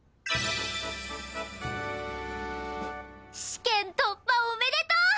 試験突破おめでとう！